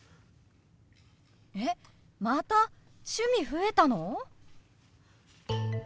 えっまた趣味増えたの！？